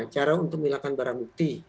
cara untuk menghilangkan barang bukti